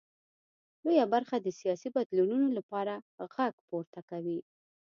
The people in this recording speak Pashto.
لویه برخه د سیاسي بدلونونو لپاره غږ پورته کوي.